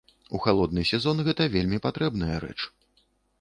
У халодны сезон гэта вельмі патрэбная рэч.